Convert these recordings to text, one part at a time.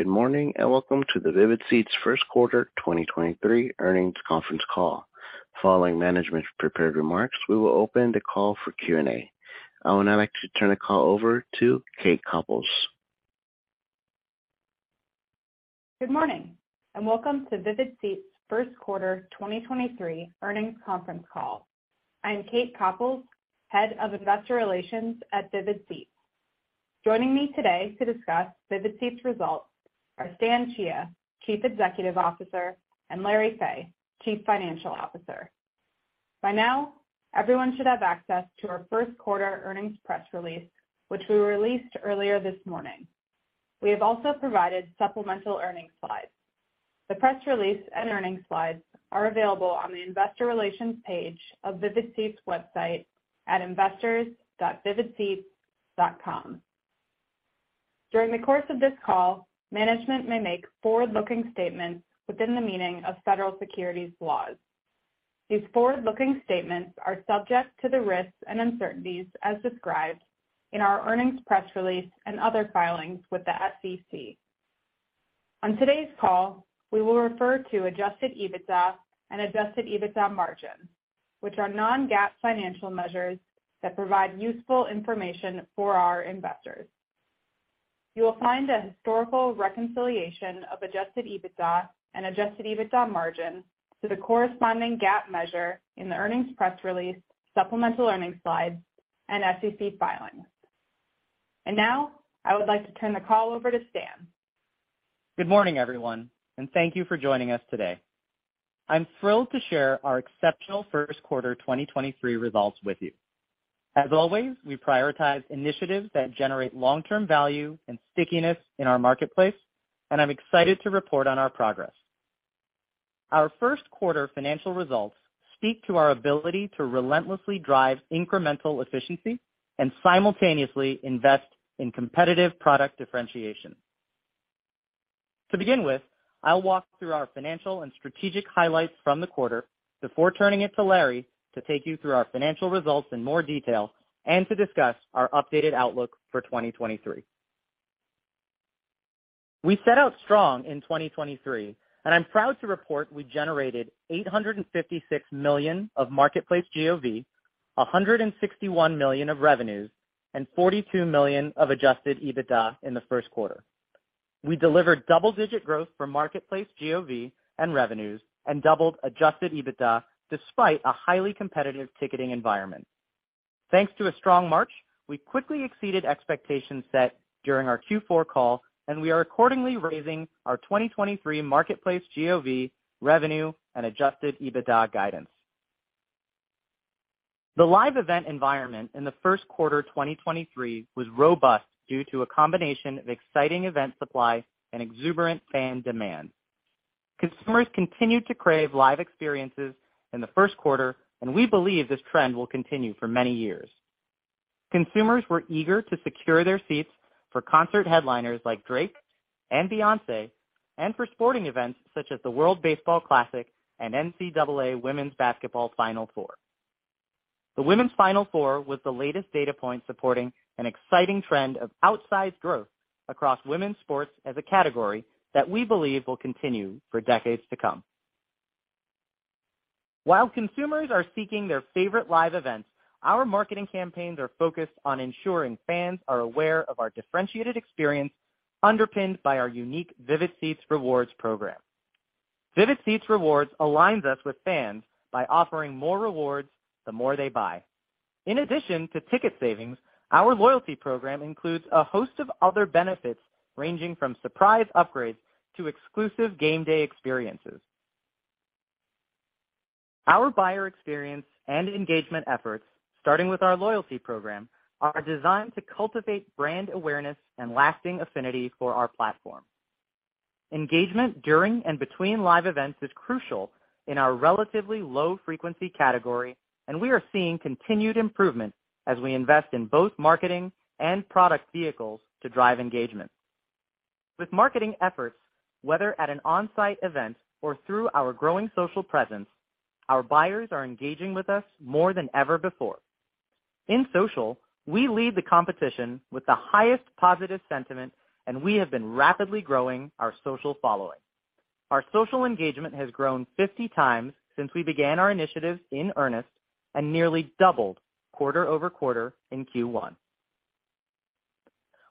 Good morning, welcome to the Vivid Seats Q1 2023 Earnings Conference Call. Following management's prepared remarks, we will open the call for Q&A. I would now like to turn the call over to Kate Copouls. Good morning, welcome to Vivid Seats Q1 2023 Earnings Conference Call. I'm Kate Copouls, Head of Investor Relations at Vivid Seats. Joining me today to discuss Vivid Seats results are Stan Chia, Chief Executive Officer, and Lawrence Fey, Chief Financial Officer. By now, everyone should have access to our Q1 earnings press release, which we released earlier this morning. We have also provided supplemental earnings slides. The press release and earnings slides are available on the investor relations page of Vivid Seats website at investors.vividseats.com. During the course of this call, management may make forward-looking statements within the meaning of federal securities laws. These forward-looking statements are subject to the risks and uncertainties as described in our earnings press release and other filings with the SEC. On today's call, we will refer to Adjusted EBITDA and Adjusted EBITDA margin, which are non-GAAP financial measures that provide useful information for our investors. You will find a historical reconciliation of Adjusted EBITDA and Adjusted EBITDA margin to the corresponding GAAP measure in the earnings press release supplemental earnings slides and SEC filings. Now, I would like to turn the call over to Stan. Good morning, everyone, and thank you for joining us today. I'm thrilled to share our exceptional Q1 2023 results with you. As always, we prioritize initiatives that generate long-term value and stickiness in our marketplace, and I'm excited to report on our progress. Our Q1 financial results speak to our ability to relentlessly drive incremental efficiency and simultaneously invest in competitive product differentiation. To begin with, I'll walk through our financial and strategic highlights from the quarter before turning it to Larry to take you through our financial results in more detail and to discuss our updated outlook for 2023. We set out strong in 2023, and I'm proud to report we generated $856 million of Marketplace GOV, $161 million of revenues, and 42 million of Adjusted EBITDA in Q1. We delivered double-digit growth for Marketplace GOV and revenues and doubled Adjusted EBITDA despite a highly competitive ticketing environment. Thanks to a strong March, we quickly exceeded expectations set during our Q4 call, and we are accordingly raising our 2023 Marketplace GOV revenue and Adjusted EBITDA guidance. The live event environment in Q1 2023 was robust due to a combination of exciting event supply and exuberant fan demand. Consumers continued to crave live experiences in Q1, and we believe this trend will continue for many years. Consumers were eager to secure their seats for concert headliners like Drake and Beyoncé and for sporting events such as the World Baseball Classic and NCAA Women's Basketball Final Four. The Women's Final Four was the latest data point supporting an exciting trend of outsized growth across women's sports as a category that we believe will continue for decades to come. While consumers are seeking their favorite live events, our marketing campaigns are focused on ensuring fans are aware of our differentiated experience underpinned by our unique Vivid Seats Rewards program. Vivid Seats Rewards aligns us with fans by offering more rewards the more they buy. In addition to ticket savings, our loyalty program includes a host of other benefits ranging from surprise upgrades to exclusive game day experiences. Our buyer experience and engagement efforts, starting with our loyalty program, are designed to cultivate brand awareness and lasting affinity for our platform. Engagement during and between live events is crucial in our relatively low-frequency category. We are seeing continued improvement as we invest in both marketing and product vehicles to drive engagement. With marketing efforts, whether at an on-site event or through our growing social presence, our buyers are engaging with us more than ever before. In social, we lead the competition with the highest positive sentiment. We have been rapidly growing our social following. Our social engagement has grown 50 times since we began our initiatives in earnest and nearly doubled quarter-over-quarter in Q1.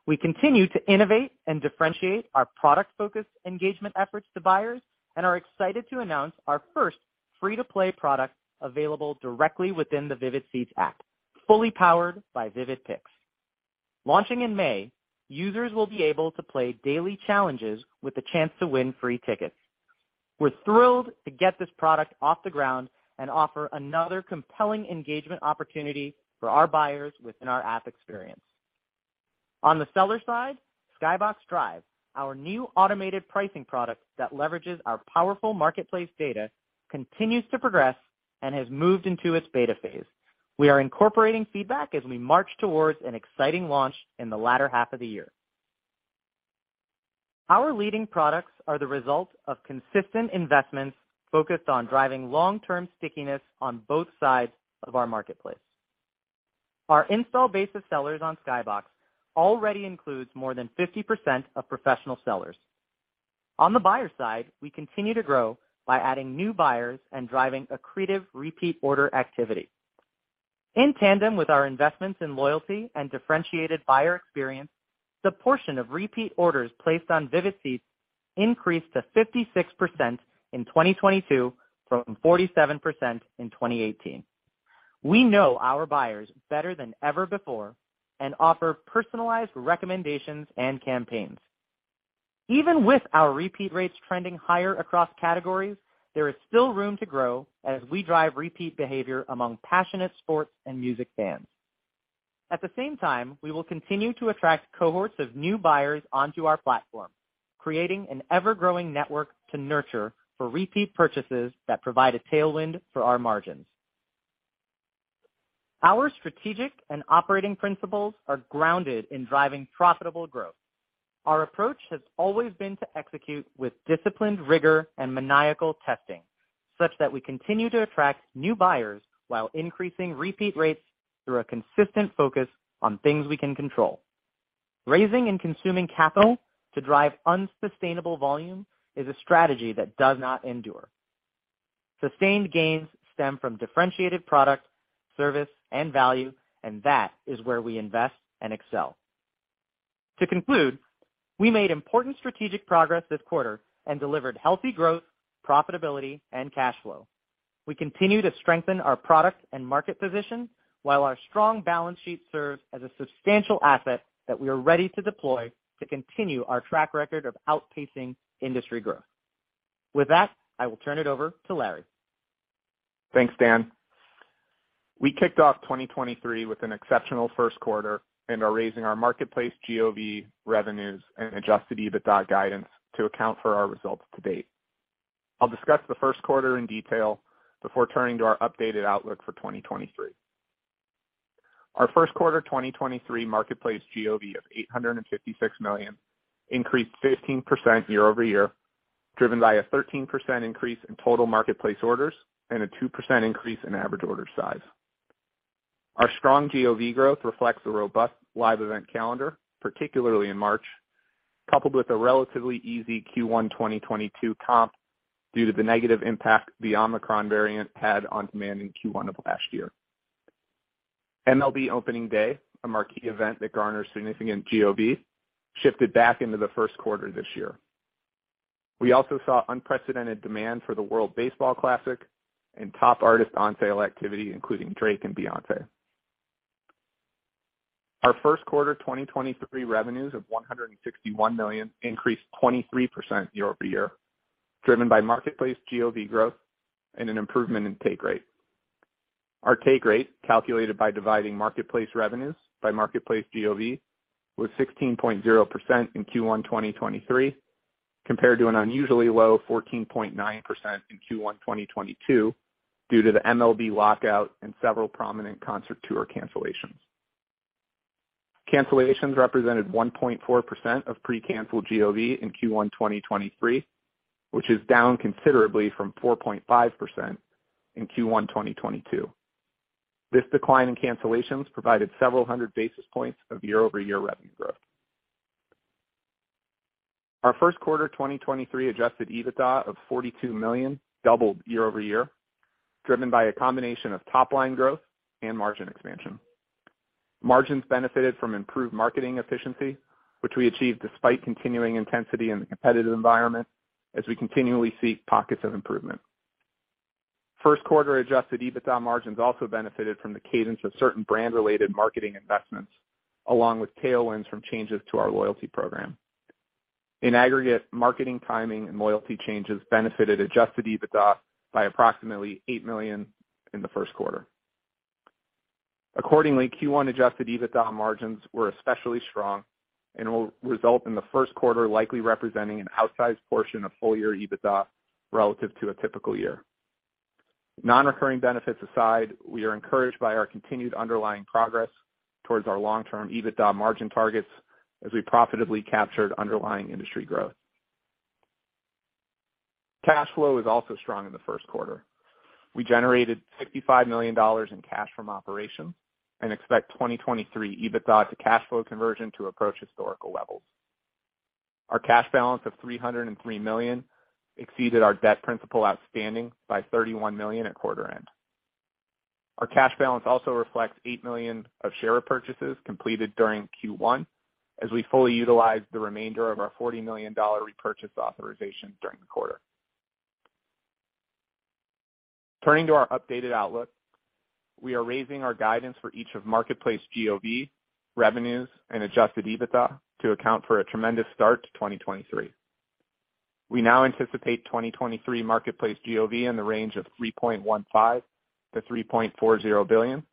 We continue to innovate and differentiate our product-focused engagement efforts to buyers and are excited to announce our first free-to-play product available directly within the Vivid Seats app, fully powered by Vivid Picks. Launching in May, users will be able to play daily challenges with the chance to win free tickets. We're thrilled to get this product off the ground and offer another compelling engagement opportunity for our buyers within our app experience. On the seller side, Skybox Drive, our new automated pricing product that leverages our powerful marketplace data, continues to progress and has moved into its beta phase. We are incorporating feedback as we march towards an exciting launch in the latter half of the year. Our leading products are the result of consistent investments focused on driving long-term stickiness on both sides of our marketplace. Our install base of sellers on Skybox already includes more than 50% of professional sellers. On the buyer side, we continue to grow by adding new buyers and driving accretive repeat order activity. In tandem with our investments in loyalty and differentiated buyer experience, the portion of repeat orders placed on Vivid Seats increased to 56% in 2022 from 47% in 2018. We know our buyers better than ever before and offer personalized recommendations and campaigns. Even with our repeat rates trending higher across categories, there is still room to grow as we drive repeat behavior among passionate sports and music fans. At the same time, we will continue to attract cohorts of new buyers onto our platform, creating an ever-growing network to nurture for repeat purchases that provide a tailwind for our margins. Our strategic and operating principles are grounded in driving profitable growth. Our approach has always been to execute with disciplined rigor and maniacal testing, such that we continue to attract new buyers while increasing repeat rates through a consistent focus on things we can control. Raising and consuming capital to drive unsustainable volume is a strategy that does not endure. Sustained gains stem from differentiated product, service, and value, and that is where we invest and excel. To conclude, we made important strategic progress this quarter and delivered healthy growth, profitability, and cash flow. We continue to strengthen our product and market position while our strong balance sheet serves as a substantial asset that we are ready to deploy to continue our track record of outpacing industry growth. With that, I will turn it over to Larry. Thanks, Stan. We kicked off 2023 with an exceptional Q1 and are raising our Marketplace GOV revenues and Adjusted EBITDA guidance to account for our results to date. I'll discuss Q1 in detail before turning to our updated outlook for 2023. Our Q1 2023 Marketplace GOV of $856 million increased 15% year-over-year, driven by a 13% increase in total marketplace orders and a 2% increase in average order size. Our strong GOV growth reflects the robust live event calendar, particularly in March, coupled with a relatively easy Q1 2022 comp due to the negative impact the Omicron variant had on demand in Q1 of last year. MLB opening day, a marquee event that garners significant GOV, shifted back into Q1 this year. We also saw unprecedented demand for the World Baseball Classic and top artist on-sale activity, including Drake and Beyoncé. Our Q1 2023 revenues of $161 million increased 23% year-over-year, driven by Marketplace GOV growth and an improvement in take rate. Our take rate, calculated by dividing marketplace revenues by Marketplace GOV, was 16.0% in Q1 2023, compared to an unusually low 14.9% in Q1 2022 due to the MLB lockout and several prominent concert tour cancellations. Cancellations represented 1.4% of pre-canceled GOV in Q1 2023, which is down considerably from 4.5% in Q1 2022. This decline in cancellations provided several hundred basis points of year-over-year revenue growth. Our Q1 2023 Adjusted EBITDA of $42 million doubled year-over-year, driven by a combination of top line growth and margin expansion. Margins benefited from improved marketing efficiency, which we achieved despite continuing intensity in the competitive environment as we continually seek pockets of improvement. Q1 Adjusted EBITDA margins also benefited from the cadence of certain brand-related marketing investments, along with tailwinds from changes to our loyalty program. In aggregate, marketing timing and loyalty changes benefited Adjusted EBITDA by approximately $8 million in Q1. Accordingly, Q1 Adjusted EBITDA margins were especially strong and will result in Q1 likely representing an outsized portion of full year EBITDA relative to a typical year. Non-recurring benefits aside, we are encouraged by our continued underlying progress towards our long-term EBITDA margin targets as we profitably captured underlying industry growth. Cash flow is also strong in Q1. We generated $65 million in cash from operations and expect 2023 EBITDA to cash flow conversion to approach historical levels. Our cash balance of $303 million exceeded our debt principal outstanding by 31 million at quarter end. Our cash balance also reflects $8 million of share purchases completed during Q1 as we fully utilized the remainder of our 40 million repurchase authorization during the quarter. Turning to our updated outlook, we are raising our guidance for each of Marketplace GOV, revenues, and Adjusted EBITDA to account for a tremendous start to 2023. We now anticipate 2023 Marketplace GOV in the range of $3.15-3.40 billion,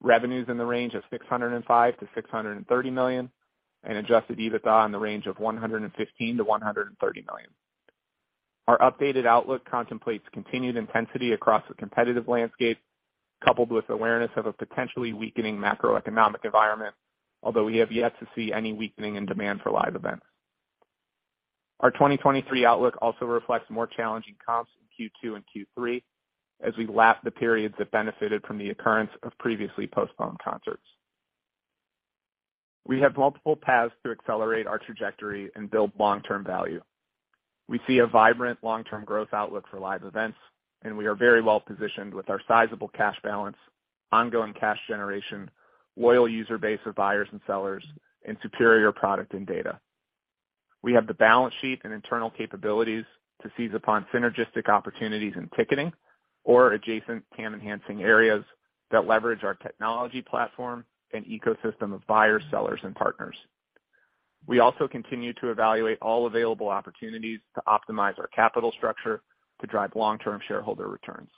revenues in the range of $605-630 million, and Adjusted EBITDA in the range of $115-130 million. Our updated outlook contemplates continued intensity across the competitive landscape, coupled with awareness of a potentially weakening macroeconomic environment, although we have yet to see any weakening in demand for live events. Our 2023 outlook also reflects more challenging comps in Q2 and Q3 as we lap the periods that benefited from the occurrence of previously postponed concerts. We have multiple paths to accelerate our trajectory and build long-term value. We see a vibrant long-term growth outlook for live events. We are very well positioned with our sizable cash balance, ongoing cash generation, loyal user base of buyers and sellers, and superior product and data. We have the balance sheet and internal capabilities to seize upon synergistic opportunities in ticketing or adjacent fan enhancing areas that leverage our technology platform and ecosystem of buyers, sellers and partners. We also continue to evaluate all available opportunities to optimize our capital structure to drive long-term shareholder returns.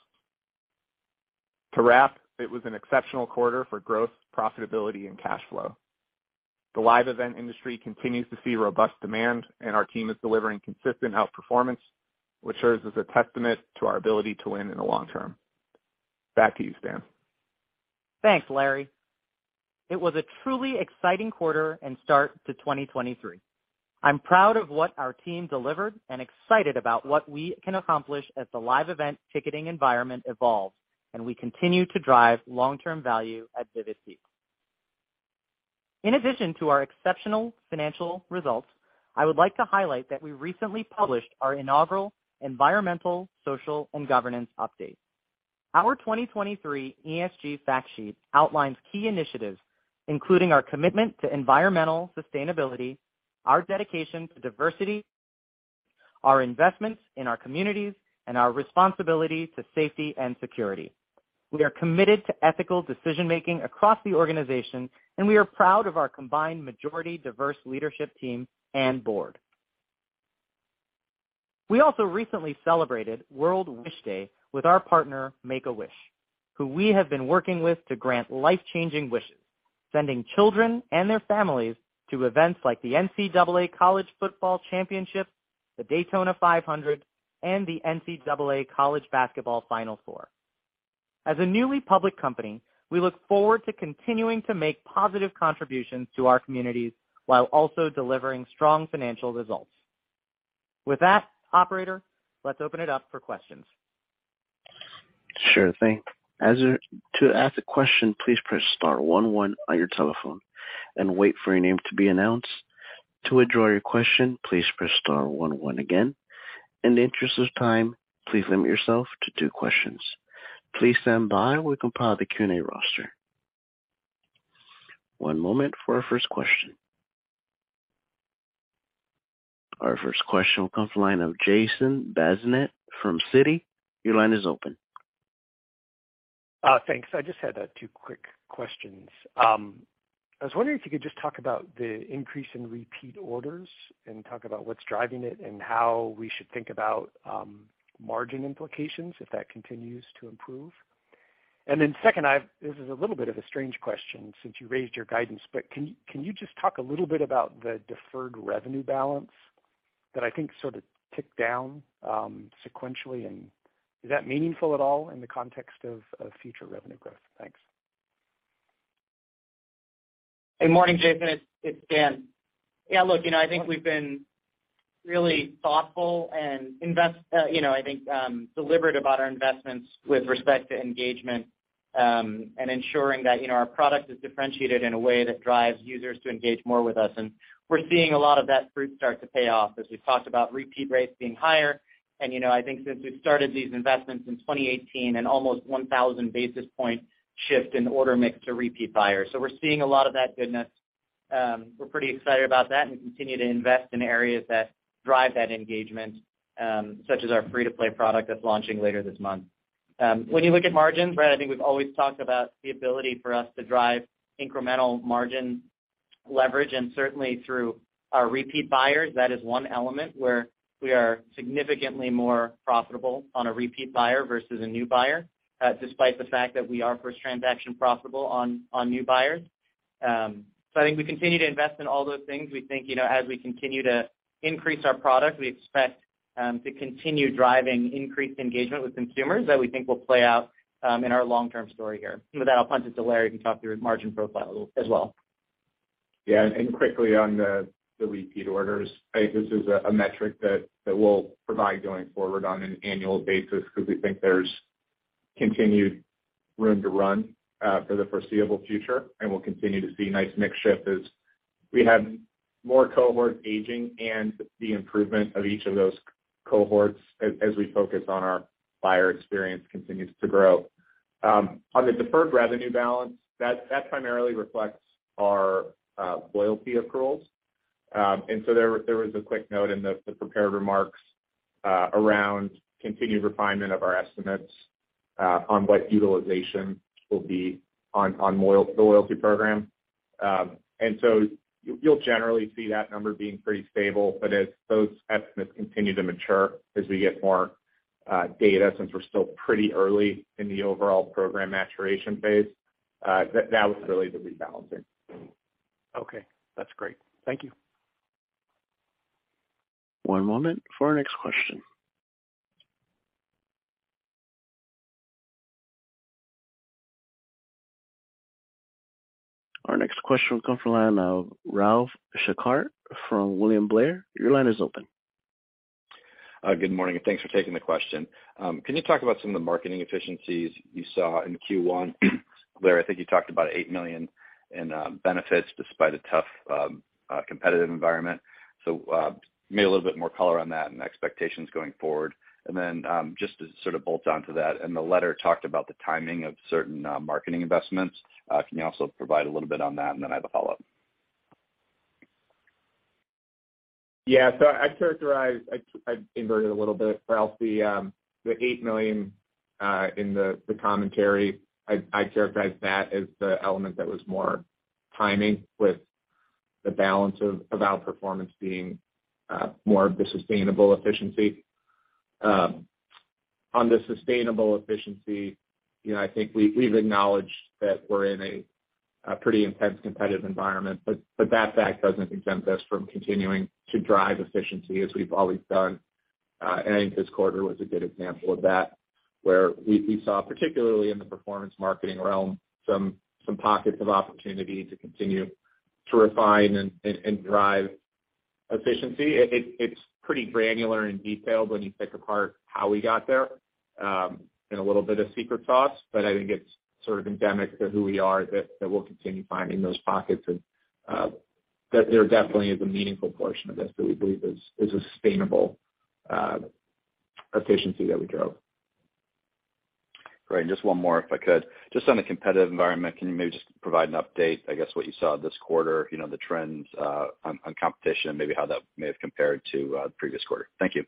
To wrap, it was an exceptional quarter for growth, profitability and cash flow. The live event industry continues to see robust demand. Our team is delivering consistent outperformance, which serves as a testament to our ability to win in the long term. Back to you, Stan. Thanks, Larry. It was a truly exciting quarter and start to 2023. I'm proud of what our team delivered and excited about what we can accomplish as the live event ticketing environment evolves and we continue to drive long-term value at Vivid Seats. In addition to our exceptional financial results, I would like to highlight that we recently published our inaugural environmental, social and governance update. Our 2023 ESG fact sheet outlines key initiatives, including our commitment to environmental sustainability, our dedication to diversity, our investments in our communities, and our responsibility to safety and security. We are committed to ethical decision making across the organization, and we are proud of our combined majority diverse leadership team and board. We also recently celebrated World Wish Day with our partner Make-A-Wish, who we have been working with to grant life-changing wishes, sending children and their families to events like the College Football Playoff National Championship, the Daytona 500, and the NCAA College Basketball Final Four. As a newly public company, we look forward to continuing to make positive contributions to our communities while also delivering strong financial results. With that, operator, let's open it up for questions. Sure thing. To ask a question, please press star one one on your telephone and wait for your name to be announced. To withdraw your question, please press star one one again. In the interest of time, please limit yourself to two questions. Please stand by while we compile the Q&A roster. One moment for our first question. Our first question will come from the line of Jason Bazinet from Citi. Your line is open. Thanks. I just had two quick questions. I was wondering if you could just talk about the increase in repeat orders and talk about what's driving it and how we should think about margin implications if that continues to improve. Second, this is a little bit of a strange question since you raised your guidance, but can you just talk a little bit about the deferred revenue balance that I think sort of ticked down sequentially? Is that meaningful at all in the context of future revenue growth? Thanks. Good morning, Jason. It's Stan. Yeah, look, you know, I think we've been really thoughtful and deliberate about our investments with respect to engagement, and ensuring that, you know, our product is differentiated in a way that drives users to engage more with us. We're seeing a lot of that fruit start to pay off as we've talked about repeat rates being higher. You know, I think since we've started these investments in 2018 and almost 1,000 basis point shift in order mix to repeat buyers. We're seeing a lot of that goodness. We're pretty excited about that and continue to invest in areas that drive that engagement, such as our free-to-play product that's launching later this month. When you look at margins, Brad, I think we've always talked about the ability for us to drive incremental margin leverage and certainly through our repeat buyers. That is one element where we are significantly more profitable on a repeat buyer versus a new buyer, despite the fact that we are first transaction profitable on new buyers. I think we continue to invest in all those things. We think, you know, as we continue to increase our product, we expect to continue driving increased engagement with consumers that we think will play out in our long-term story here. With that, I'll pass it to Larry to talk through his margin profile as well. Quickly on the repeat orders. I think this is a metric that we'll provide going forward on an annual basis because we think there's continued room to run for the foreseeable future. We'll continue to see nice mix shift as we have more cohorts aging and the improvement of each of those cohorts as we focus on our buyer experience continues to grow. On the deferred revenue balance, that primarily reflects our loyalty accruals. There was a quick note in the prepared remarks around continued refinement of our estimates on what utilization will be on the loyalty program. You'll generally see that number being pretty stable. As those estimates continue to mature, as we get more data, since we're still pretty early in the overall program maturation phase, that was really the rebalancing. Okay, that's great. Thank you. One moment for our next question. First question will come from the line of Ralph Schackart from William Blair. Your line is open. Good morning, and thanks for taking the question. Can you talk about some of the marketing efficiencies you saw in Q1? Where I think you talked about $8 million in benefits despite a tough competitive environment. Maybe a little bit more color on that and expectations going forward. Just to sort of bolt on to that, in the letter, talked about the timing of certain marketing investments. Can you also provide a little bit on that? I have a follow-up. I'd invert it a little bit for us. The $8 million in the commentary, I'd characterize that as the element that was more timing with the balance of outperformance being more of the sustainable efficiency. On the sustainable efficiency, you know, I think we've acknowledged that we're in a pretty intense competitive environment. That fact doesn't exempt us from continuing to drive efficiency as we've always done. And I think this quarter was a good example of that, where we saw, particularly in the performance marketing realm, some pockets of opportunity to continue to refine and drive efficiency. It's pretty granular and detailed when you pick apart how we got there and a little bit of secret sauce. I think it's sort of endemic to who we are that we'll continue finding those pockets and that there definitely is a meaningful portion of this that we believe is a sustainable efficiency that we drove. Great. Just one more, if I could. Just on the competitive environment, can you maybe just provide an update, I guess, what you saw this quarter, you know, the trends on competition and maybe how that may have compared to the previous quarter? Thank you.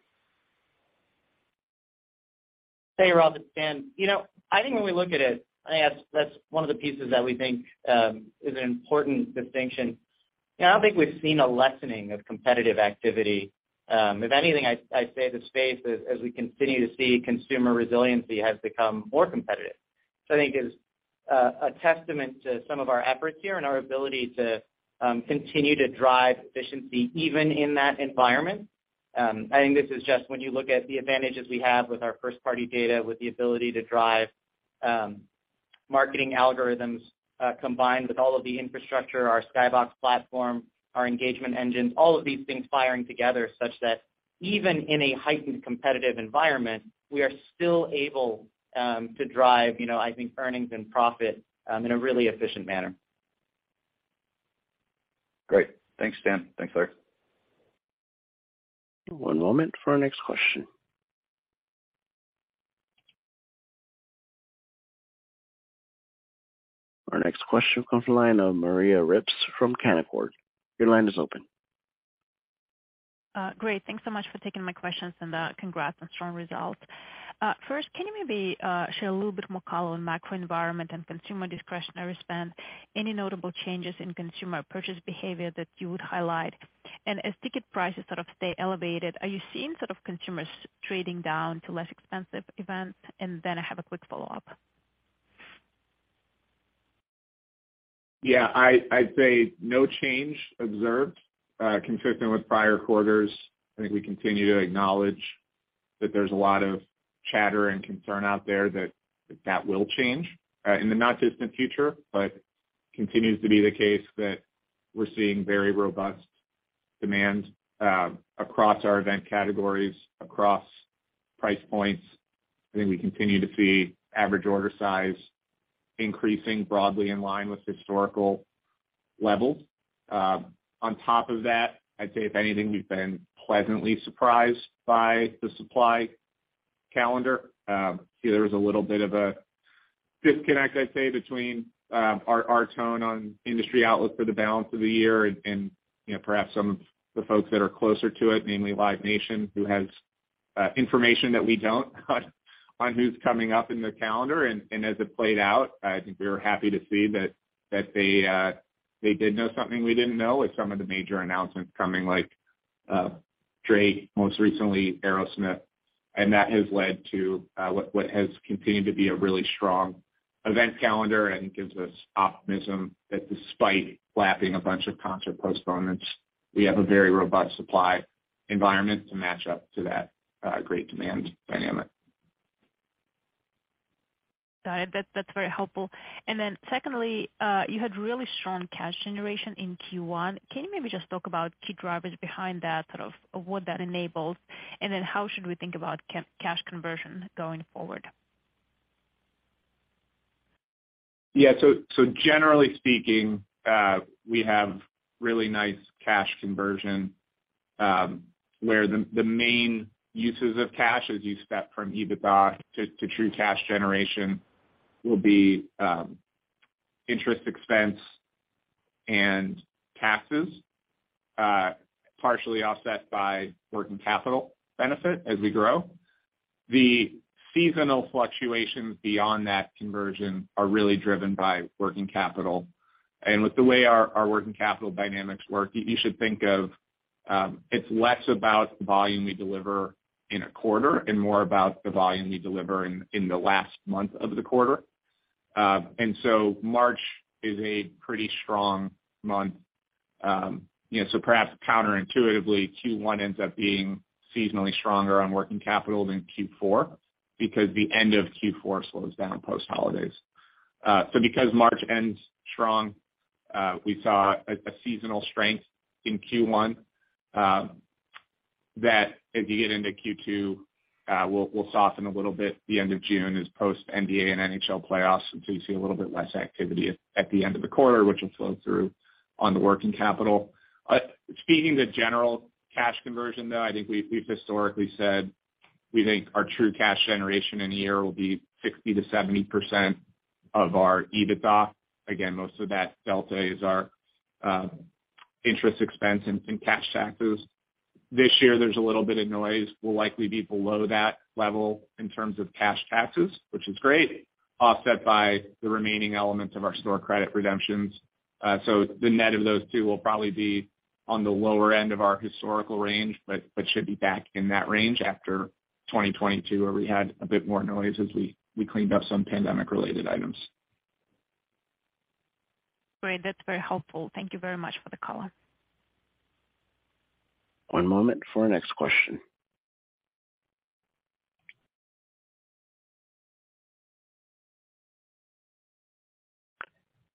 Hey, Ralph. It's Stan. You know, I think when we look at it, I think that's one of the pieces that we think is an important distinction. You know, I don't think we've seen a lessening of competitive activity. If anything, I'd say the space as we continue to see consumer resiliency has become more competitive. I think it's a testament to some of our efforts here and our ability to continue to drive efficiency even in that environment. I think this is just when you look at the advantages we have with our first-party data, with the ability to drive marketing algorithms, combined with all of the infrastructure, our Skybox platform, our engagement engines. All of these things firing together such that even in a heightened competitive environment, we are still able, to drive, you know, I think earnings and profit, in a really efficient manner. Great. Thanks, Stan. Thanks, Larry. One moment for our next question. Our next question comes from the line of Maria Ripps from Canaccord. Your line is open. Great. Thanks so much for taking my questions, and congrats on strong results. First, can you maybe share a little bit more color on macro environment and consumer discretionary spend? Any notable changes in consumer purchase behavior that you would highlight? As ticket prices sort of stay elevated, are you seeing sort of consumers trading down to less expensive events? Then I have a quick follow-up. Yeah. I'd say no change observed, consistent with prior quarters. I think we continue to acknowledge that there's a lot of chatter and concern out there that that will change in the not distant future. Continues to be the case that we're seeing very robust demand, across our event categories, across price points. I think we continue to see average order size increasing broadly in line with historical levels. On top of that, I'd say if anything, we've been pleasantly surprised by the supply calendar. See there was a little bit of a disconnect, I'd say, between our tone on industry outlook for the balance of the year and, you know, perhaps some of the folks that are closer to it, namely Live Nation, who has information that we don't on who's coming up in the calendar. As it played out, I think we were happy to see that they did know something we didn't know with some of the major announcements coming like Drake, most recently Aerosmith. That has led to what has continued to be a really strong event calendar and gives us optimism that despite lapping a bunch of concert postponements, we have a very robust supply environment to match up to that great demand dynamic. Got it. That's very helpful. Secondly, you had really strong cash generation in Q1. Can you maybe just talk about key drivers behind that, sort of what that enabled? How should we think about cash conversion going forward? Yeah. Generally speaking, we have really nice cash conversion, where the main uses of cash as you step from EBITDA to true cash generation will be interest expense and taxes, partially offset by working capital benefit as we grow. The seasonal fluctuations beyond that conversion are really driven by working capital. With the way our working capital dynamics work, you should think of it's less about the volume we deliver in a quarter and more about the volume we deliver in the last month of the quarter. March is a pretty strong month. You know, perhaps counterintuitively, Q1 ends up being seasonally stronger on working capital than Q4 because the end of Q4 slows down post holidays. Because March ends strong, we saw a seasonal strength in Q1 that as you get into Q2 will soften a little bit. The end of June is post NBA and NHL playoffs, you see a little bit less activity at the end of the quarter, which will flow through on the working capital. Speaking to general cash conversion, though, I think we've historically said we think our true cash generation in a year will be 60%-70% of our EBITDA. Again, most of that delta is our interest expense in cash taxes. This year there's a little bit of noise. We'll likely be below that level in terms of cash taxes, which is great, offset by the remaining elements of our store credit redemptions. The net of those two will probably be on the lower end of our historical range, but should be back in that range after 2022, where we had a bit more noise as we cleaned up some pandemic related items. Great. That's very helpful. Thank you very much for the color. One moment for our next question.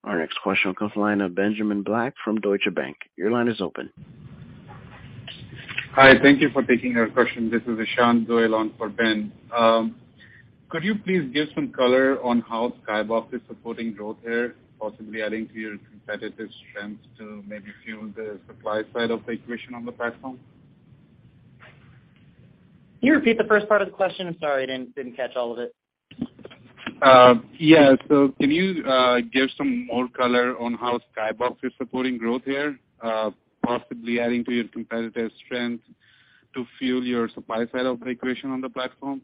Our next question comes line of Benjamin Black from Deutsche Bank. Your line is open. Hi. Thank you for taking our question. This is Ahsan on for Ben. Could you please give some color on how Skybox is supporting growth here, possibly adding to your competitive strengths to maybe fuel the supply side of the equation on the platform? Can you repeat the first part of the question? I'm sorry, I didn't catch all of it. Yeah. Can you give some more color on how Skybox is supporting growth here, possibly adding to your competitive strength to fuel your supply side of the equation on the platform?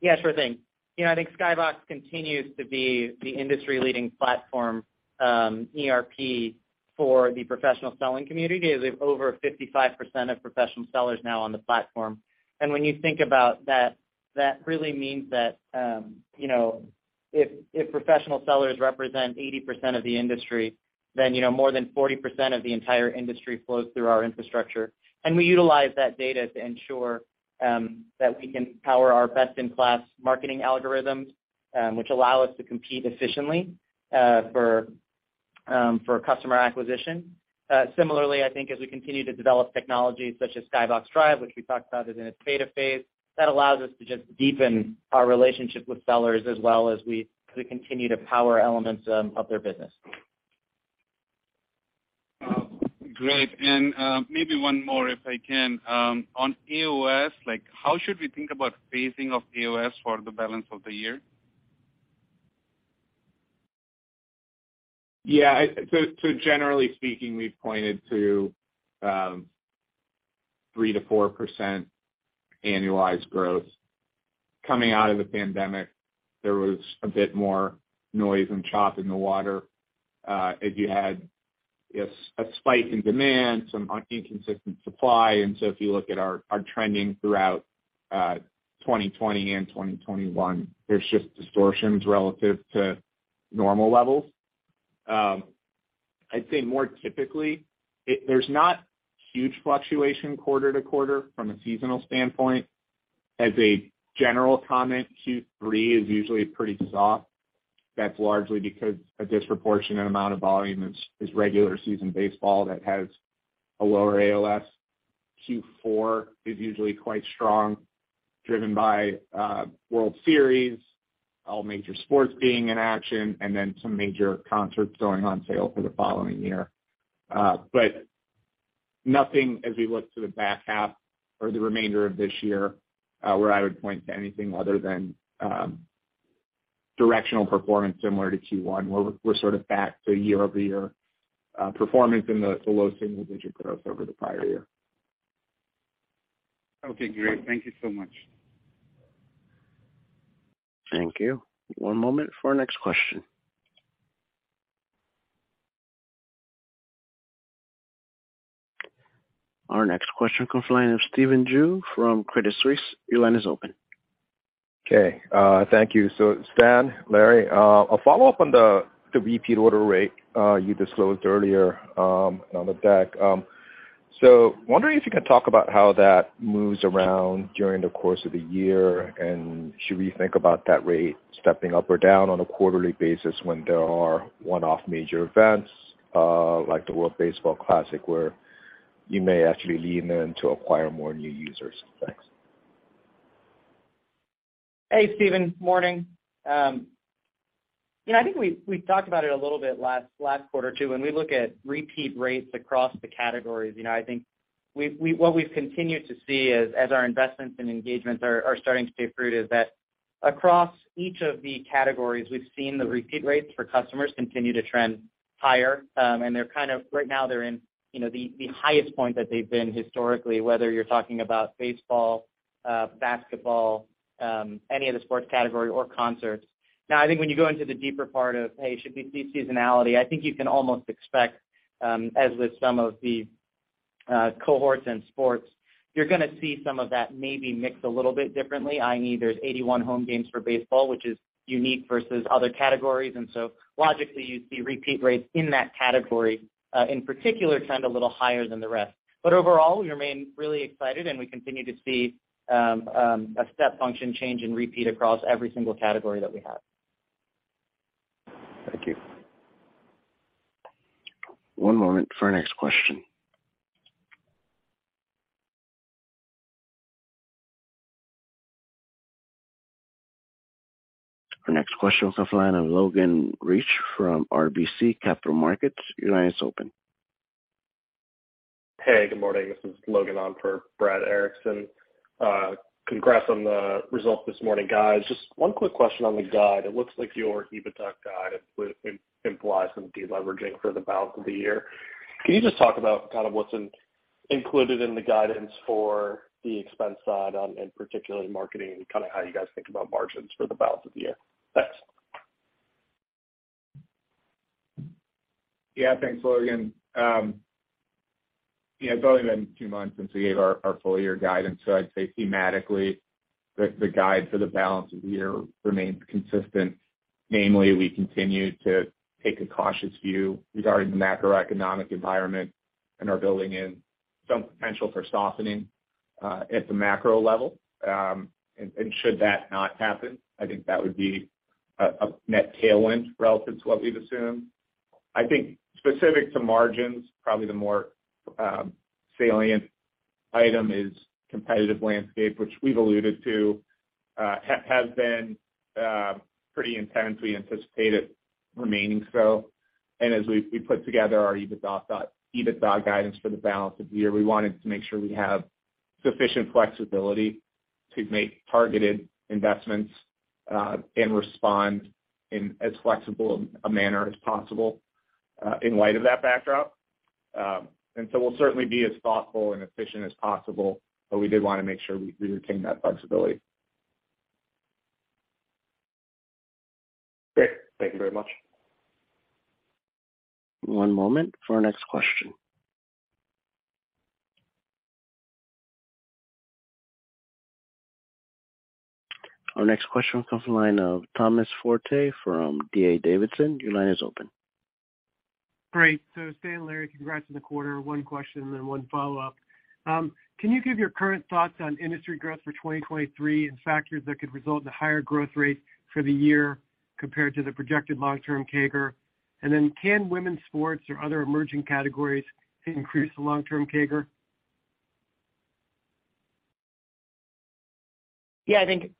Yeah, sure thing. You know, I think Skybox continues to be the industry-leading platform, ERP for the professional selling community, as they have over 55% of professional sellers now on the platform. When you think about that really means that, you know, if professional sellers represent 80% of the industry, then you know, more than 40% of the entire industry flows through our infrastructure. We utilize that data to ensure that we can power our best-in-class marketing algorithms, which allow us to compete efficiently for customer acquisition. Similarly, I think as we continue to develop technologies such as Skybox Drive, which we talked about is in its beta phase, that allows us to just deepen our relationship with sellers as well as we continue to power elements of their business. Great. Maybe one more, if I can. On AOS, like how should we think about phasing of AOS for the balance of the year? Generally speaking, we've pointed to 3%-4% annualized growth. Coming out of the pandemic, there was a bit more noise and chop in the water, as you had, I guess, a spike in demand, some inconsistent supply. If you look at our trending throughout 2020 and 2021, there's just distortions relative to normal levels. I'd say more typically there's not huge fluctuation quarter to quarter from a seasonal standpoint. As a general comment, Q3 is usually pretty soft. That's largely because a disproportionate amount of volume is regular season baseball that has a lower AOS. Q4 is usually quite strong, driven by World Series, all major sports being in action, and then some major concerts going on sale for the following year. Nothing as we look to the back half or the remainder of this year, where I would point to anything other than directional performance similar to Q1, where we're sort of back to year-over-year performance in the low single digit growth over the prior year. Okay, great. Thank you so much. Thank you. One moment for our next question. Our next question comes line of Stephen Ju from Credit Suisse. Your line is open. Thank you. Stan, Larry, a follow-up on the repeat order rate you disclosed earlier on the deck. Wondering if you can talk about how that moves around during the course of the year. Should we think about that rate stepping up or down on a quarterly basis when there are one-off major events, like the World Baseball Classic, where you may actually lean in to acquire more new users? Thanks. Hey, Stephen. Morning. you know, I think we talked about it a little bit last quarter too. When we look at repeat rates across the categories, you know, I think what we've continued to see as our investments and engagements are starting to pay fruit, is that across each of the categories, we've seen the repeat rates for customers continue to trend higher. They're kind of right now they're in, you know, the highest point that they've been historically, whether you're talking about baseball, basketball, any of the sports category or concerts. I think when you go into the deeper part of, "Hey, should we see seasonality?" I think you can almost expect, as with some of the cohorts and sports, you're gonna see some of that maybe mixed a little bit differently, i.e. there's 81 home games for baseball, which is unique versus other categories. Logically, you see repeat rates in that category, in particular trend a little higher than the rest. Overall, we remain really excited, and we continue to see a step function change in repeat across every single category that we have. Thank you. One moment for our next question. Our next question comes from the line of Logan Reich from RBC Capital Markets. Your line is open. Hey, good morning. This is Logan on for Brad Erickson. Congrats on the results this morning, guys. Just one quick question on the guide. It looks like your EBITDA guide would imply some de-leveraging for the balance of the year. Can you just talk about kind of what's included in the guidance for the expense side and particularly marketing and kind of how you guys think about margins for the balance of the year? Thanks. Yeah. Thanks, Logan. Yeah, it's only been two months since we gave our full year guidance. I'd say thematically the guide for the balance of the year remains consistent. Namely, we continue to take a cautious view regarding the macroeconomic environment and are building in some potential for softening at the macro level. Should that not happen, I think that would be a net tailwind relative to what we've assumed. I think specific to margins, probably the more salient item is competitive landscape, which we've alluded to, has been pretty intense. We anticipate it remaining so. As we put together our EBITDA guidance for the balance of the year, we wanted to make sure we have sufficient flexibility to make targeted investments and respond in as flexible a manner as possible in light of that backdrop. We'll certainly be as thoughtful and efficient as possible, but we did wanna make sure we retain that flexibility. Great. Thank you very much. One moment for our next question. Our next question comes from the line of Thomas Forte from D.A. Davidson. Your line is open. Great. Stan and Larry, congrats on the quarter. One question and then one follow-up. Can you give your current thoughts on industry growth for 2023 and factors that could result in a higher growth rate for the year compared to the projected long term CAGR? Can women's sports or other emerging categories increase the long term CAGR? Yeah, I think.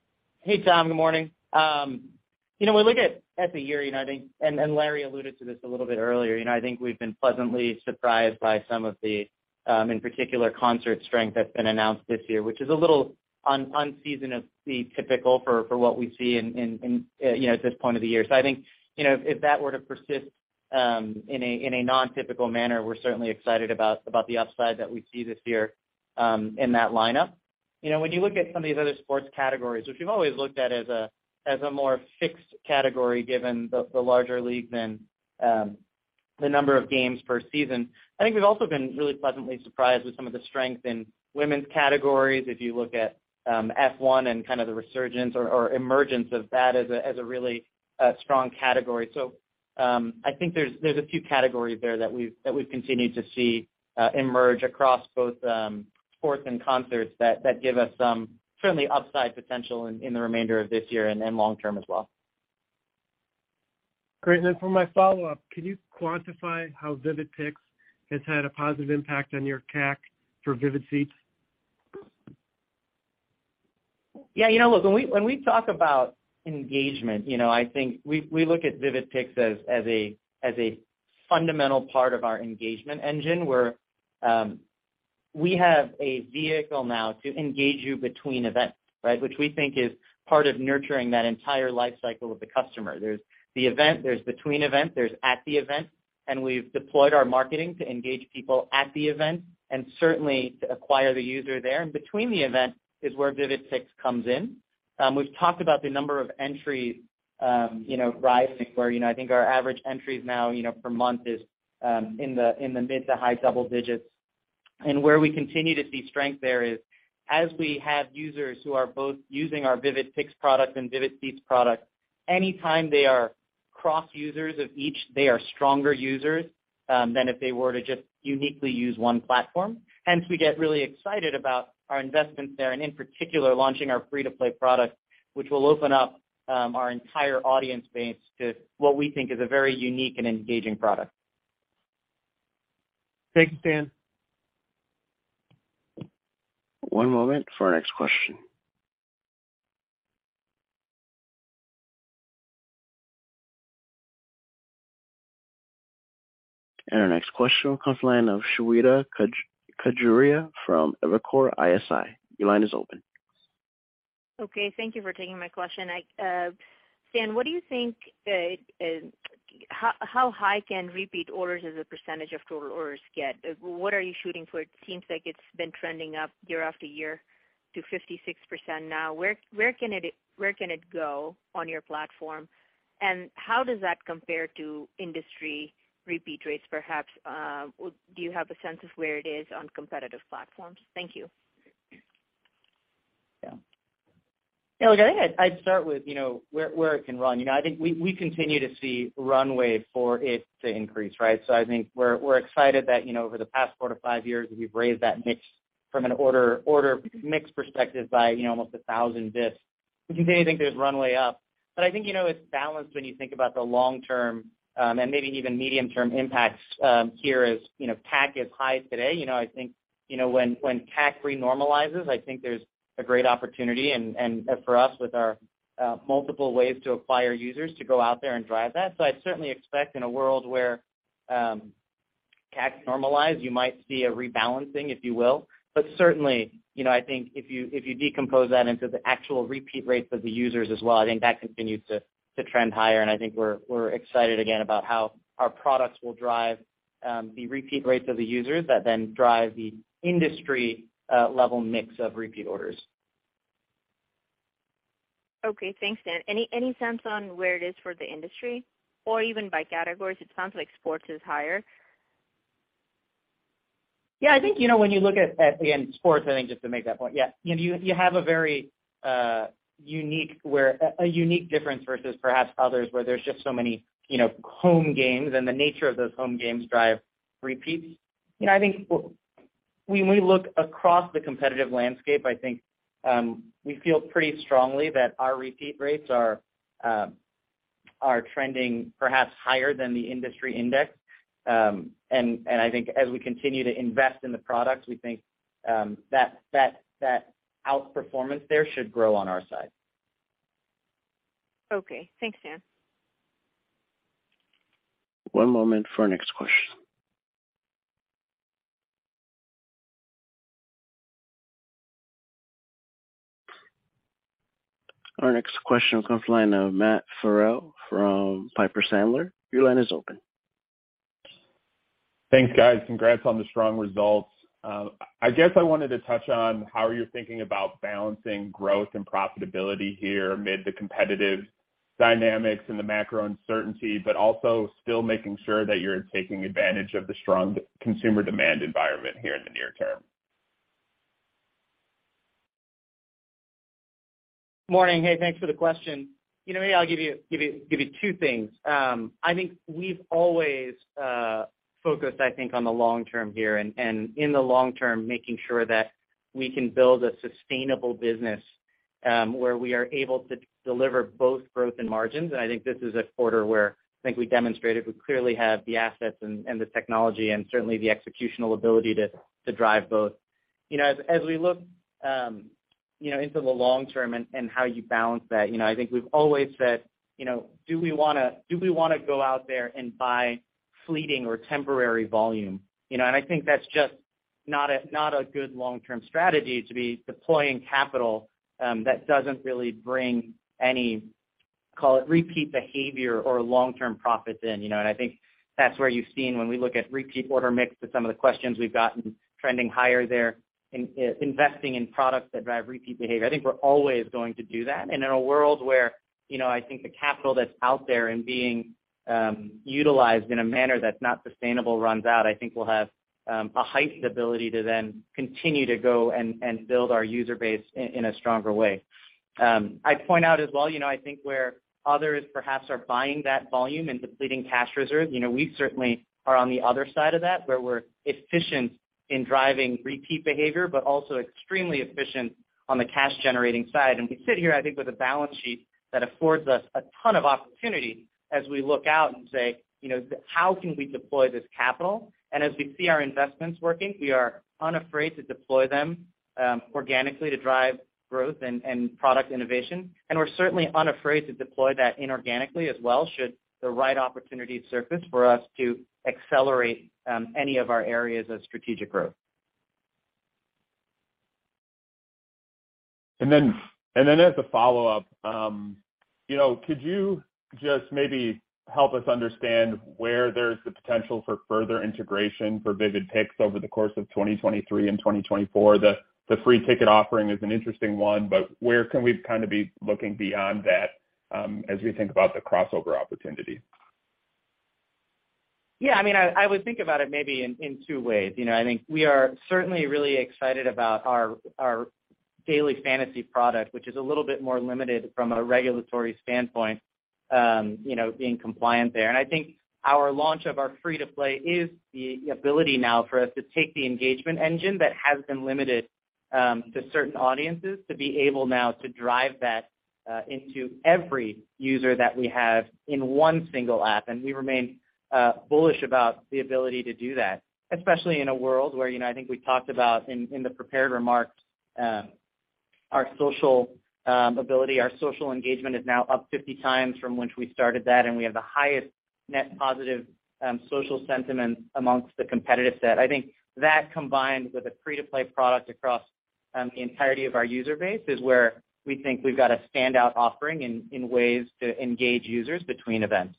Hey, Tom. Good morning. You know, when we look at the year, you know, I think, and Larry alluded to this a little bit earlier, you know, I think we've been pleasantly surprised by some of the, in particular concert strength that's been announced this year, which is a little unseasonably typical for what we see in, you know, at this point of the year. I think, you know, if that were to persist, in a non-typical manner, we're certainly excited about the upside that we see this year, in that lineup. You know, when you look at some of these other sports categories, which we've always looked at as a more fixed category given the larger league than the number of games per season, I think we've also been really pleasantly surprised with some of the strength in women's categories. If you look at F1 and kind of the resurgence or emergence of that as a really strong category. I think there's a few categories there that we've continued to see emerge across both sports and concerts that give us some certainly upside potential in the remainder of this year and long term as well. Great. Then for my follow-up, can you quantify how Vivid Picks has had a positive impact on your CAC for Vivid Seats? Yeah. You know, look, when we talk about engagement, you know, I think we look at Vivid Picks as a fundamental part of our engagement engine, where we have a vehicle now to engage you between events, right? Which we think is part of nurturing that entire life cycle of the customer. There's the event, there's between event, there's at the event, and we've deployed our marketing to engage people at the event and certainly to acquire the user there. Between the event is where Vivid Picks comes in. We've talked about the number of entries, you know, rising where, you know, I think our average entries now, you know, per month is in the mid to high double digits. Where we continue to see strength there is as we have users who are both using our Vivid Picks product and Vivid Seats product, anytime they are cross users of each, they are stronger users than if they were to just uniquely use one platform. Hence, we get really excited about our investments there and, in particular, launching our free-to-play product, which will open up our entire audience base to what we think is a very unique and engaging product. Thank you, Stan. One moment for our next question. Our next question comes line of Shweta Khajuria from Evercore ISI. Your line is open. Okay, thank you for taking my question. I, Stan, what do you think, how high can repeat orders as a percentage of total orders get? What are you shooting for? It seems like it's been trending up year after year. To 56% now, where can it go on your platform? How does that compare to industry repeat rates perhaps, do you have a sense of where it is on competitive platforms? Thank you. Yeah. Look, I'd start with, you know, where it can run. You know, I think we continue to see runway for it to increase, right? I think we're excited that, you know, over the past four to five years, we've raised that mix from an order mix perspective by, you know, almost 1,000 bits. We continue to think there's runway up. I think, you know, it's balanced when you think about the long term and maybe even medium-term impacts here as, you know, CAC is high today. You know, I think, you know, when CAC re-normalizes, I think there's a great opportunity and for us, with our multiple ways to acquire users to go out there and drive that. I certainly expect in a world where CAC normalize, you might see a rebalancing, if you will. Certainly, you know, I think if you decompose that into the actual repeat rates of the users as well, I think that continues to trend higher. I think we're excited again about how our products will drive the repeat rates of the users that then drive the industry level mix of repeat orders. Okay. Thanks, Stan. Any sense on where it is for the industry or even by categories? It sounds like sports is higher. Yeah. I think, you know, when you look at, again, sports, I think just to make that point, yeah. You have a very unique difference versus perhaps others where there's just so many, you know, home games and the nature of those home games drive repeats. You know, I think when we look across the competitive landscape, I think we feel pretty strongly that our repeat rates are trending perhaps higher than the industry index. I think as we continue to invest in the products, we think that outperformance there should grow on our side. Okay. Thanks, Stan. One moment for our next question. Our next question comes line of Matt Farrell from Piper Sandler. Your line is open. Thanks, guys. Congrats on the strong results. I guess I wanted to touch on how you're thinking about balancing growth and profitability here amid the competitive dynamics and the macro uncertainty, but also still making sure that you're taking advantage of the strong consumer demand environment here in the near term. Morning. Hey, thanks for the question. You know, maybe I'll give you two things. I think we've always focused, I think, on the long term here and in the long term, making sure that we can build a sustainable business, where we are able to deliver both growth and margins. I think this is a quarter where I think we demonstrated we clearly have the assets and the technology and certainly the executional ability to drive both. You know, as we look, you know, into the long term and how you balance that. You know, I think we've always said, you know, do we wanna go out there and buy fleeting or temporary volume? You know, I think that's just not a, not a good long-term strategy to be deploying capital that doesn't really bring any, call it, repeat behavior or long-term profits in, you know. I think that's where you've seen when we look at repeat order mix to some of the questions we've gotten trending higher there in investing in products that drive repeat behavior. I think we're always going to do that. In a world where, you know, I think the capital that's out there and being utilized in a manner that's not sustainable runs out, I think we'll have a heightened ability to then continue to go and build our user base in a stronger way. I'd point out as well, you know, I think where others perhaps are buying that volume and depleting cash reserves, you know, we certainly are on the other side of that, where we're efficient in driving repeat behavior, but also extremely efficient on the cash generating side. We sit here, I think, with a balance sheet that affords us a ton of opportunity as we look out and say, you know, how can we deploy this capital? As we see our investments working, we are unafraid to deploy them organically to drive growth and product innovation. We're certainly unafraid to deploy that inorganically as well, should the right opportunity surface for us to accelerate any of our areas of strategic growth. As a follow-up, you know, could you just maybe help us understand where there's the potential for further integration for Vivid Picks over the course of 2023 and 2024? The free ticket offering is an interesting one, but where can we kind of be looking beyond that, as we think about the crossover opportunity? I mean, I would think about it maybe in two ways. You know, I think we are certainly really excited about our daily fantasy product, which is a little bit more limited from a regulatory standpoint, you know, being compliant there. I think our launch of our free-to-play is the ability now for us to take the engagement engine that has been limited to certain audiences, to be able now to drive that into every user that we have in one single app. We remain bullish about the ability to do that, especially in a world where, you know, I think we talked about in the prepared remarks, our social ability. Our social engagement is now up 50x from which we started that, and we have the highest net positive, social sentiment amongst the competitive set. I think that combined with a free-to-play product across, the entirety of our user base is where we think we've got a standout offering in ways to engage users between events.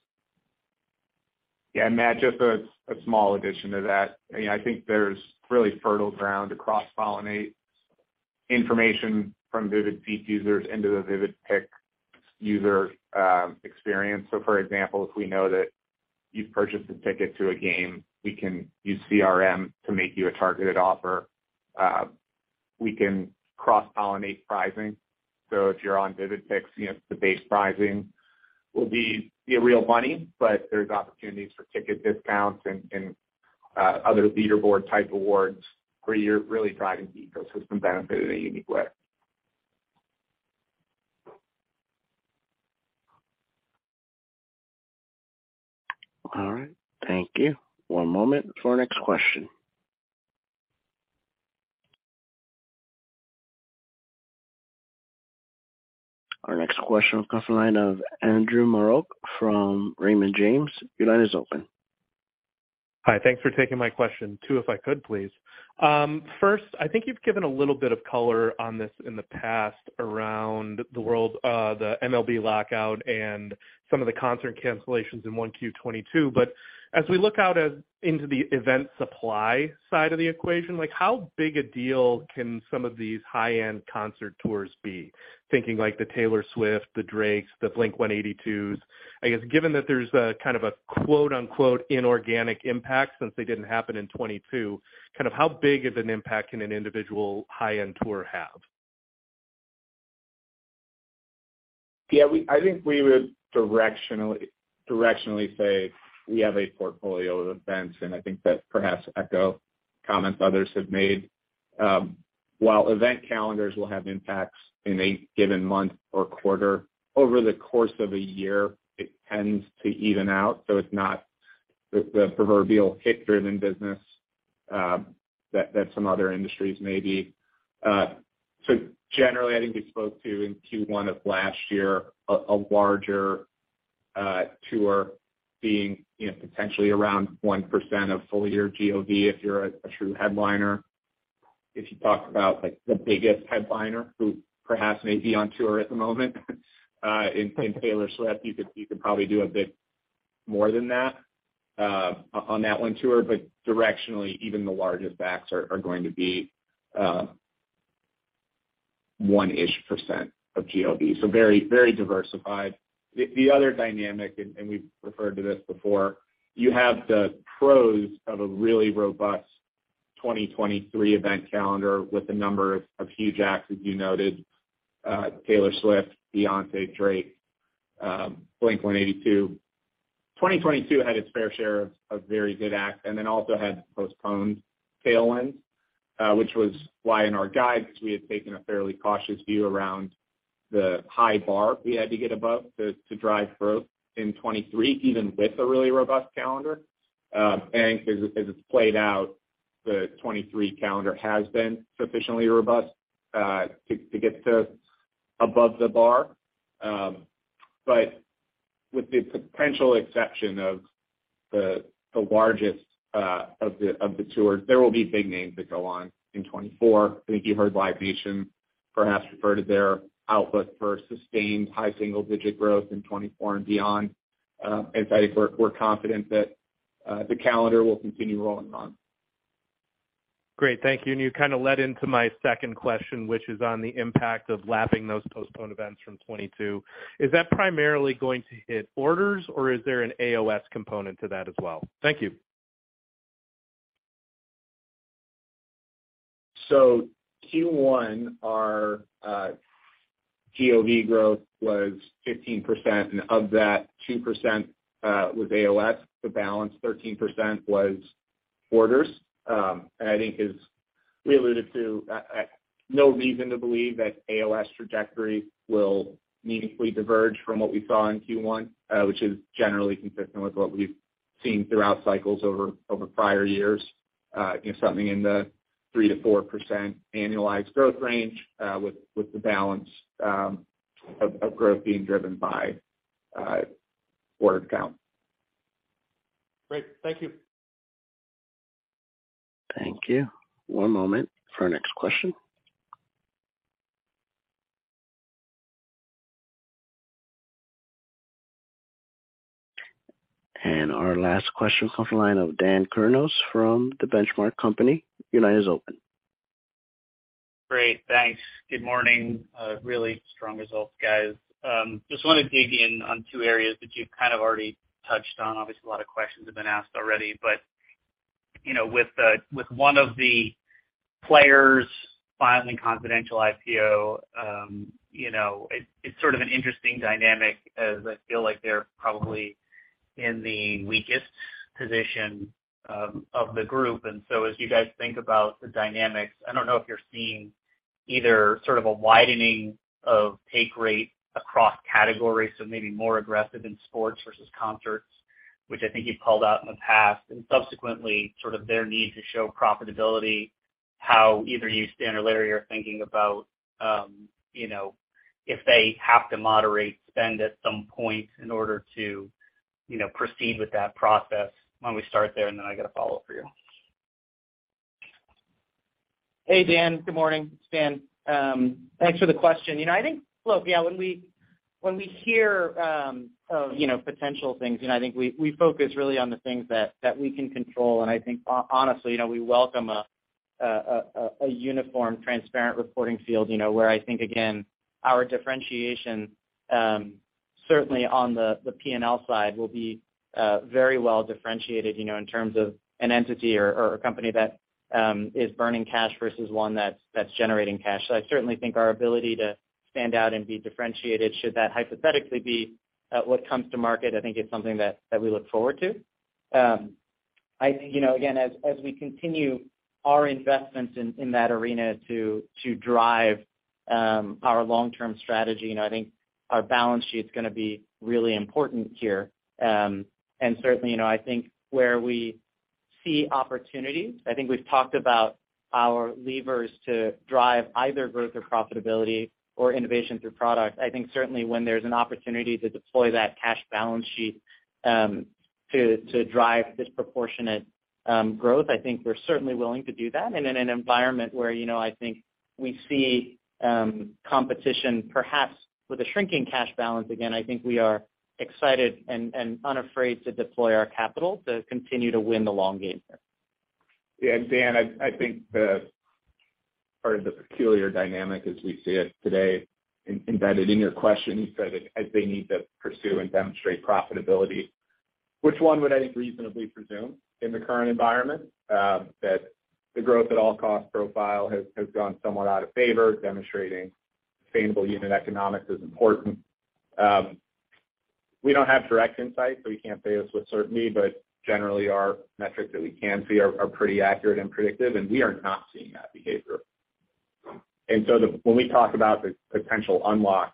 Yeah, Matt, just a small addition to that. You know, I think there's really fertile ground to cross-pollinate information from Vivid Seats users into the Vivid Picks user experience. For example, if we know that you've purchased a ticket to a game, we can use CRM to make you a targeted offer. We can cross-pollinate pricing. If you're on Vivid Picks, you know, the base pricing will be real money, but there's opportunities for ticket discounts and other leaderboard type awards where you're really driving the ecosystem benefit in a unique way. All right, thank you. One moment for our next question. Our next question will come from the line of Andrew Marok from Raymond James. Your line is open. Hi. Thanks for taking my question. Two, if I could, please. First, I think you've given a little bit of color on this in the past around the world, the MLB lockout and some of the concert cancellations in Q1 2022. As we look out into the event supply side of the equation, like how big a deal can some of these high-end concert tours be? Thinking like the Taylor Swift, the Drakes, the Blink-182s. I guess given that there's a kind of a quote, unquote, inorganic impact since they didn't happen in 2022, kind of how big of an impact can an individual high-end tour have? I think we would directionally say we have a portfolio of events, and I think that perhaps echo comments others have made. While event calendars will have impacts in a given month or quarter, over the course of a year, it tends to even out. It's not the proverbial hit-driven business that some other industries may be. Generally, I think we spoke to in Q1 of last year a larger tour being, you know, potentially around 1% of full-year GOV if you're a true headliner. If you talk about, like, the biggest headliner who perhaps may be on tour at the moment, in Taylor Swift, you could probably do a bit more than that on that one tour. Directionally, even the largest acts are going to be 1-ish% of GOV. Very, very diversified. The other dynamic, we've referred to this before, you have the pros of a really robust 2023 event calendar with a number of huge acts, as you noted, Taylor Swift, Beyoncé, Drake, Blink-182. 2022 had its fair share of very good acts, and then also had postponed tailwinds, which was why in our guide, because we had taken a fairly cautious view around the high bar we had to get above to drive growth in 2023, even with a really robust calendar. And as it's played out, the 2023 calendar has been sufficiently robust to get to above the bar. With the potential exception of the largest, of the tours, there will be big names that go on in 2024. I think you heard Live Nation perhaps refer to their outlook for sustained high single-digit growth in 2024 and beyond. I think we're confident that the calendar will continue rolling on. Great. Thank you. You kind of led into my second question, which is on the impact of lapping those postponed events from 2022. Is that primarily going to hit orders or is there an AOS component to that as well? Thank you. Q1, our GOV growth was 15%, and of that 2% was AOS. The balance 13% was orders. I think as we alluded to, no reason to believe that AOS trajectory will meaningfully diverge from what we saw in Q1, which is generally consistent with what we've seen throughout cycles over prior years. You know, something in the 3%-4% annualized growth range, with the balance of growth being driven by order count. Great. Thank you. Thank you. One moment for our next question. Our last question comes from the line of Dan Kurnos from The Benchmark Company. Your line is open. Great, thanks. Good morning. really strong results, guys. just wanna dig in on two areas that you've kind of already touched on. Obviously, a lot of questions have been asked already. You know, with one of the players filing confidential IPO, you know, it's sort of an interesting dynamic as I feel like they're probably in the weakest position, of the group. As you guys think about the dynamics, I don't know if you're seeing either sort of a widening of take rate across categories, so maybe more aggressive in sports versus concerts, which I think you've called out in the past, and subsequently sort of their need to show profitability, how either you, Stan or Larry, are thinking about, you know, if they have to moderate spend at some point in order to, you know, proceed with that process. Why don't we start there, and then I got a follow-up for you? Hey, Dan, good morning. It's Stan. Thanks for the question. You know, I think, look, yeah, when we hear, of, you know, potential things, you know, I think we focus really on the things that we can control. I think honestly, you know, we welcome a uniform, transparent reporting field, you know, where I think, again, our differentiation, certainly on the P&L side will be very well differentiated, you know, in terms of an entity or a company that is burning cash versus one that's generating cash. I certainly think our ability to stand out and be differentiated should that hypothetically be, what comes to market, I think it's something that we look forward to. I think, you know, again, as we continue our investments in that arena to drive our long-term strategy, you know, I think our balance sheet's gonna be really important here. Certainly, you know, I think where we see opportunities, I think we've talked about our levers to drive either growth or profitability or innovation through product. I think certainly when there's an opportunity to deploy that cash balance sheet, to drive disproportionate growth, I think we're certainly willing to do that. In an environment where, you know, I think we see competition perhaps with a shrinking cash balance, again, I think we are excited and unafraid to deploy our capital to continue to win the long game here. Yeah. Dan, I think part of the peculiar dynamic as we see it today, embedded in your question, you said as they need to pursue and demonstrate profitability, which one would I think reasonably presume in the current environment, that the growth at all cost profile has gone somewhat out of favor, demonstrating sustainable unit economics is important. We don't have direct insight, so we can't say this with certainty, but generally our metrics that we can see are pretty accurate and predictive, and we are not seeing that behavior. When we talk about the potential unlock,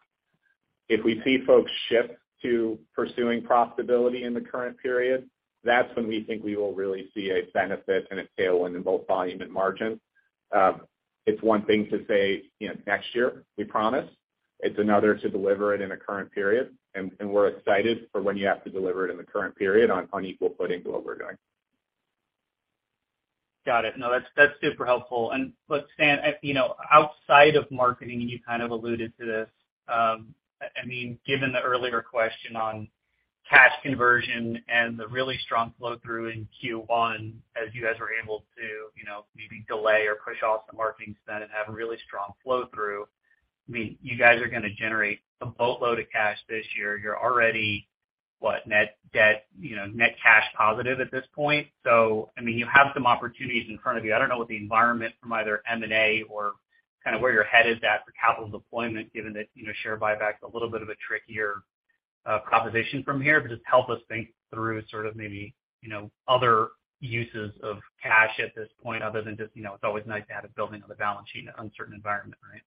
if we see folks shift to pursuing profitability in the current period, that's when we think we will really see a benefit and a tailwind in both volume and margin. It's one thing to say, you know, next year, we promise. It's another to deliver it in the current period. We're excited for when you have to deliver it in the current period on equal footing to what we're doing. Got it. That's super helpful. Stan, you know, outside of marketing, and you kind of alluded to this, I mean, given the earlier question on cash conversion and the really strong flow through in Q1 as you guys were able to, you know, maybe delay or push off some marketing spend and have a really strong flow through. I mean, you guys are gonna generate a boatload of cash this year. You're already, what, net debt, you know, net cash positive at this point. I mean, you have some opportunities in front of you. I don't know what the environment from either M&A or kind of where you're headed that for capital deployment, given that, you know, share buyback is a little bit of a trickier proposition from here. Just help us think through sort of maybe, you know, other uses of cash at this point other than just, you know, it's always nice to add a building on the balance sheet in an uncertain environment, right?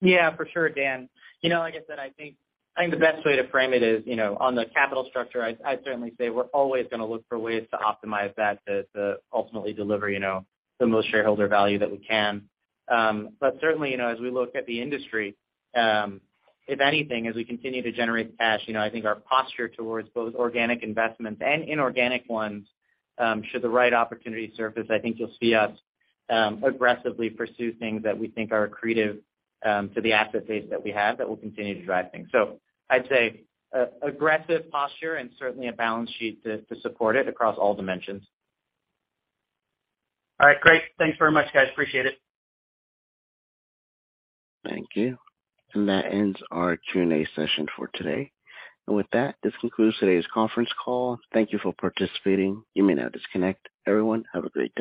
Yeah, for sure, Dan. You know, like I said, I think the best way to frame it is, you know, on the capital structure, I'd certainly say we're always gonna look for ways to optimize that to ultimately deliver, you know, the most shareholder value that we can. Certainly, you know, as we look at the industry, if anything, as we continue to generate cash, you know, I think our posture towards both organic investments and inorganic ones, should the right opportunity surface, I think you'll see us aggressively pursue things that we think are accretive to the asset base that we have that will continue to drive things. I'd say a aggressive posture and certainly a balance sheet to support it across all dimensions. All right, great. Thanks very much, guys. Appreciate it. Thank you. That ends our Q&A session for today. With that, this concludes today's conference call. Thank you for participating. You may now disconnect. Everyone, have a great day.